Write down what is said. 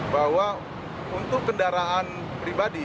bahwa untuk kendaraan pribadi